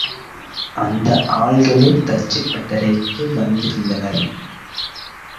அந்த ஆள்களே தச்சுப்பட்டறைக்கு வந்திருந்தனர்.